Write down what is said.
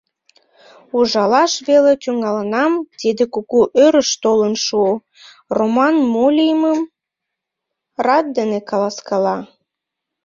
Ужалаш веле тӱҥалынам, тиде кугу «ӧрыш» толын шуо, — Роман мо лиймым рат дене каласкала.